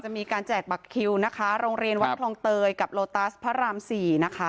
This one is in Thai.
มีการแจกบัตรคิวนะคะโรงเรียนวัดคลองเตยกับโลตัสพระราม๔นะคะ